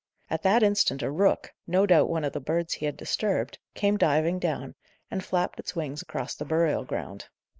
At that instant a rook, no doubt one of the birds he had disturbed, came diving down, and flapped its wings across the burial ground.